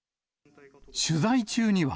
取材中には。